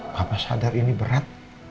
papa sadar ini berat